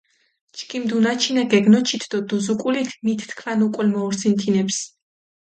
ჩქიმ დუნაჩინა გეგნოჩით დო დუზუკულით მით თქვან უკულ მოურსინ თინეფს.